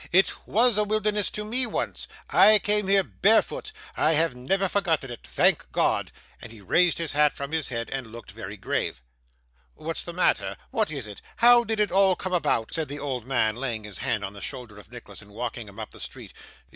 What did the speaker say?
'It was a wilderness to me once. I came here barefoot. I have never forgotten it. Thank God!' and he raised his hat from his head, and looked very grave. 'What's the matter? What is it? How did it all come about?' said the old man, laying his hand on the shoulder of Nicholas, and walking him up the street.